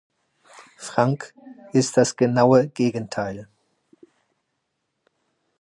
Frank ist das genaue Gegenteil.